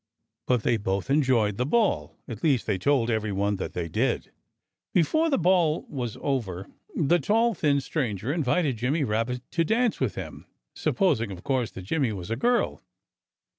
But they both enjoyed the Ball at least they told everyone that they did. Before the Ball was over the tall, thin stranger invited Jimmy Rabbit to dance with him supposing, of course, that Jimmy was a girl.